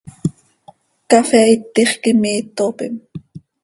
Cafee itix quih imiitopim.